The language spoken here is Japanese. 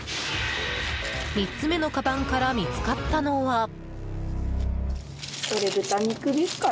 ３つ目のかばんから見つかったのは。